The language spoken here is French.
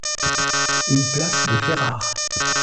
Une place de Ferrare.